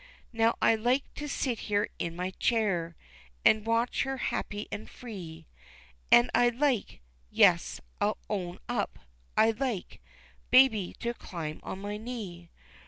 Now, I like to sit here in my chair An' watch her happy an' free, An' I like yes, I'll own up I like Baby to climb on my knee.